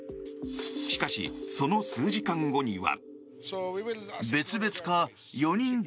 しかし、その数時間後には。